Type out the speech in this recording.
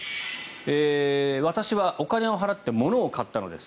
私はお金を払って物を買ったのです。